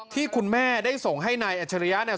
ที่คุณแม่ได้ส่งให้นายอัจฉริยะเนี่ย